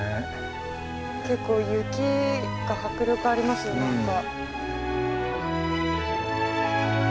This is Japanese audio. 結構雪が迫力ありますよ何か。